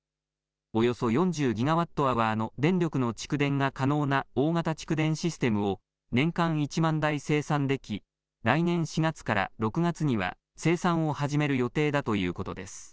およそ４０ギガワットアワーの電力の蓄電が可能な大型蓄電システムを年間１万台生産でき、来年４月から６月には生産を始める予定だということです。